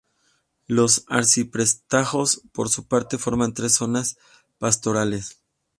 Los Arciprestazgos, por su parte, forman tres zonas pastorales.